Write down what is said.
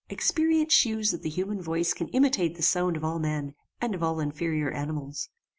Experience shews that the human voice can imitate the voice of all men and of all inferior animals.